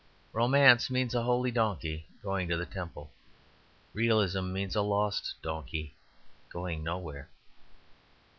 Romance means a holy donkey going to the temple. Realism means a lost donkey going nowhere.